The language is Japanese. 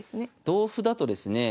同歩だとですね